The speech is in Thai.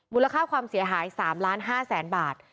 มูลค่าความเสียหาย๓๕๐๐๐๐บาท